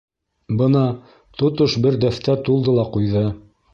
— Бына, тотош бер дәфтәр тулды ла ҡуйҙы.